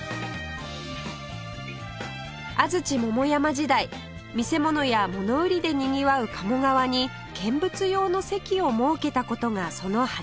安土桃山時代見せ物や物売りでにぎわう鴨川に見物用の席を設けた事がその始まり